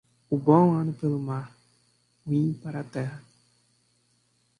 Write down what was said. O bom ano pelo mar, ruim para a terra.